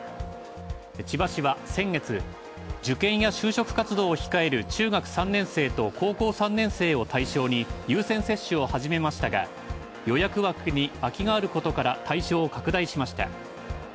千葉市は先月、受験や就職活動を控える中学３年生と高校３年生を対象に優先接種を始めましたが予約枠に空きがあることから対象を拡大しました。